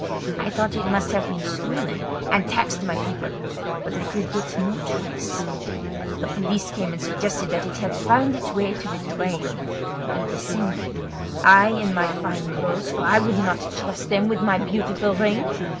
I thought it must have been stolen, and taxed my people; but I could get no trace. The police came and suggested that it had found its way to the drain. We descended—I in my fine clothes, for I would not trust them with my beautiful ring!